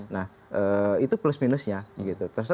nah itu plus minusnya gitu